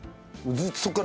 ずーっとそっから。